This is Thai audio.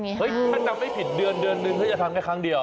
เฮ้ยถ้าจำไม่ผิดเดือนนึงเขาจะทำแค่ครั้งเดียว